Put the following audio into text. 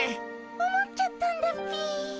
思っちゃったんだっピィ。